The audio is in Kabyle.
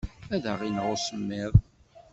Ad aɣ-ineɣ usemmiḍ.